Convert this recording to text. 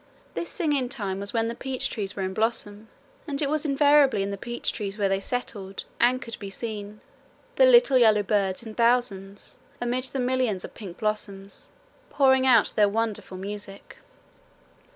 This singing time was when the peach trees were in blossom, and it was invariably in the peach trees they settled and could be seen, the little yellow birds in thousands amid the millions of pink blossoms, pouring out their wonderful music.